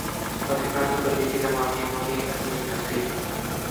Pakistan Super League کی تمام ٹیموں کی حتمی تفصیل